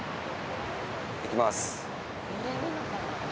行きます。